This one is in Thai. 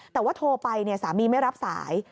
แต่ว่าโทรไปสามีไม่รับสาย